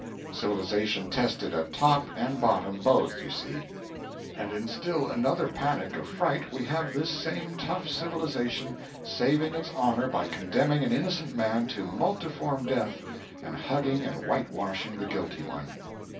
Civilisation tested at top and bottom both, you see. And in still another panic of fright we have this same tough civilisation saving its honour by condemning an innocent man to multiform death, and hugging and whitewashing the guilty one.